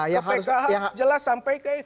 ke pkh jelas sampai ke